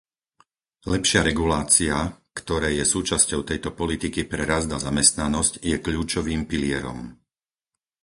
Lepšia regulácia, ktoré je súčasťou tejto politiky pre rast a zamestnanosť, je kľúčovým pilierom.